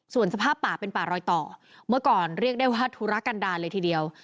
ส่วนสภาพป่าเป็นป่ารอยต่อเมื่อก่อนเรียกได้ว่าธุรกันดาเลยทีเดียว